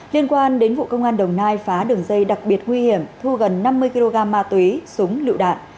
liên quan đến vụ công an đồng nai phá đường dây đặc biệt nguy hiểm thu gần năm mươi kg ma túy súng lựu đạn